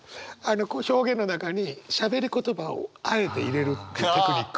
表現の中にしゃべり言葉をあえて入れるテクニック。